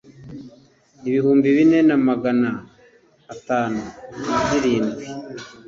ibihumbi bine na Magana atanu na zirindwi